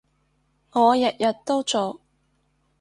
我日日都做